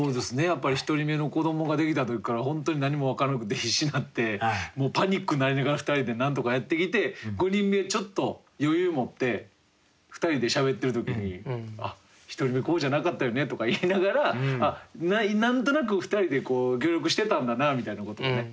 やっぱり１人目の子どもができた時から本当に何も分からなくて必死になってパニックになりながら２人でなんとかやってきて５人目ちょっと余裕持って２人でしゃべってる時に「１人目こうじゃなかったよね」とか言いながら何となく２人で協力してたんだなみたいなことをね